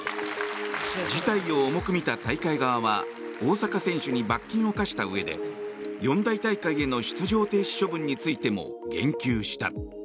事態を重く見た大会側は大坂選手に罰金を科したうえで四大大会への出場停止処分についても言及した。